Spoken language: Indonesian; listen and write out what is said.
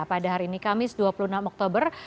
pada hari ini kamis dua puluh enam oktober